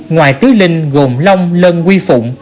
ngoài tứ linh gồm lông lân quy phụng